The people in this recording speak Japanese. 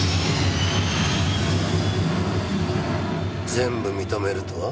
全部認めるとは？